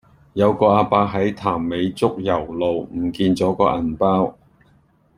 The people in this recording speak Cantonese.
有個亞伯喺潭尾竹攸路唔見左個銀包